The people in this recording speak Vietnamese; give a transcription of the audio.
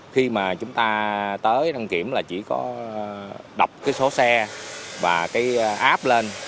khi mà chúng ta tới đăng kiểm là chỉ có đọc cái số xe và cái app lên